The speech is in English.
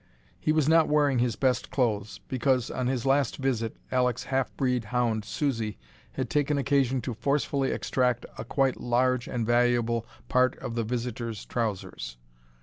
He was not wearing his best clothes, because on his last visit Alek's half breed hound Susie had taken occasion to forcefully extract a quite large and valuable part of the visitor's trousers.